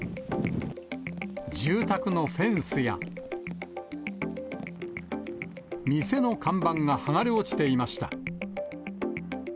住宅のフェンスや、店の看板が剥がれ落ちていました。